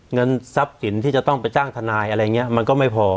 เงินทรัพย์สินที่จะต้องไปจ้างทนายอะไรอย่างนี้มันก็ไม่พอ